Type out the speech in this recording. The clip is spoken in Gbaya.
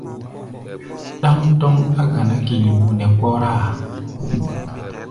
Ɗáŋ tɔ́ŋ á ganá kilbo nɛ kpɔ́rá-a.